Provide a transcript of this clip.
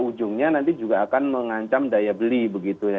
ujungnya nanti juga akan mengancam daya beli begitu ya